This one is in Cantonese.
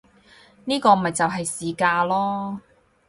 呢個咪就係市價囉